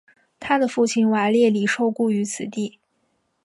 他的父亲瓦列里受雇于此地。